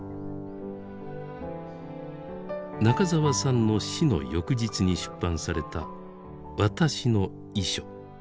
中沢さんの死の翌日に出版された「わたしの遺書」。